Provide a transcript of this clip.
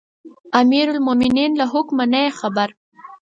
امیرالمؤمنین له حکمه نه یې خبره.